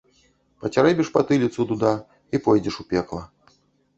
Пацярэбіш патыліцу, дуда, і пойдзеш у пекла.